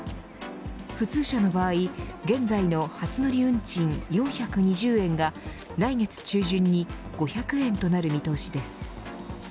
普通車の場合、現在の初乗り運賃４２０円が来月中旬に５００円となる見通しです。